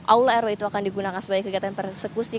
aula rw itu akan digunakan sebagai kegiatan persekusi